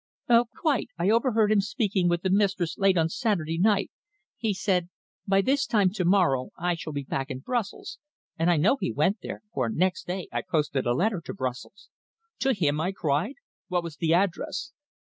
"Quite. I overheard him speaking with the mistress late on Saturday night. He said, 'By this time to morrow I shall be back in Brussels.' And I know he went there, for next day I posted a letter to Brussels." "To him?" I cried. "What was the address?"